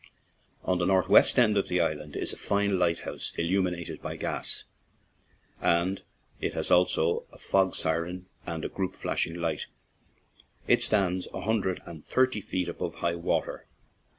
On the northwest end of the island is a fine light house, il lumined by gas, and it has also a fog siren and a group flashing light; it stands a hundred and thirty feet above high water.